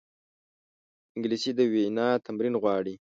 انګلیسي د وینا تمرین غواړي